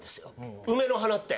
梅の花って。